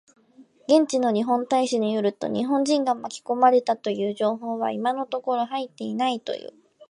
現地の日本大使館によると、日本人が巻き込まれたという情報は今のところ入っていないという。